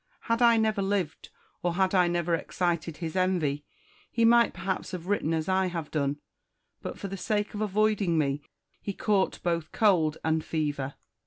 Had I never lived, or had I never excited his envy, he might perhaps have written as I have done ; but for the sake of avoiding me he caught both cold and fever.